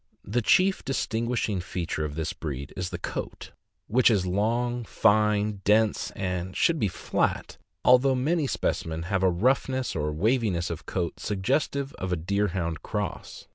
The chief distin guishing feature of this breed is the coat, which is long, fine, dense, and should be flat, although many specimens have a roughness or waviness of coat suggestive of a Deer hound cross.